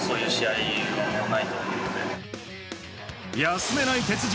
休めない鉄人